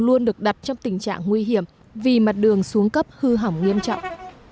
luôn được đặt trong tình trạng nguy hiểm vì mặt đường xuống cấp hư hỏng nghiêm trọng